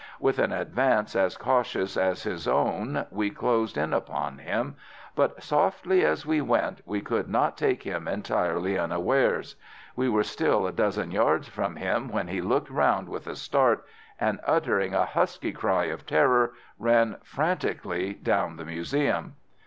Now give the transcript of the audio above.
With an advance as cautious as his own we closed in upon him, but softly as we went we could not take him entirely unawares. We were still a dozen yards from him when he looked round with a start, and uttering a husky cry of terror, ran frantically down the museum.